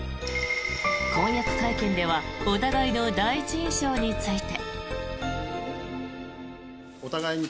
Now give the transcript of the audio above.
婚約会見ではお互いの第一印象について。